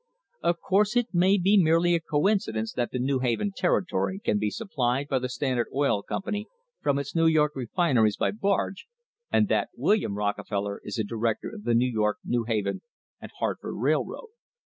Of course it may be merely a coincidence that the New Haven territory can be supplied by the Standard Oil Company from its New York refineries by barge, and that William Rockefeller is a director of the New York, New Haven and Hartford Railroad.